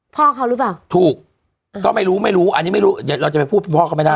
พ่อเขาหรือเปล่าถูกก็ไม่รู้ไม่รู้อันนี้ไม่รู้เดี๋ยวเราจะไปพูดพ่อเขาไม่ได้